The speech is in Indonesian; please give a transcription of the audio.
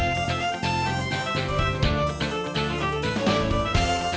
nanti nanti ke geyerang